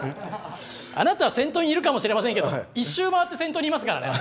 あなたは先頭にいるかもしれませんけど１周回って先頭にいますからね。